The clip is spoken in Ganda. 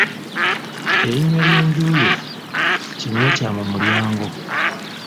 Erinnya ly'enju ye Kinnyakyamumulyango.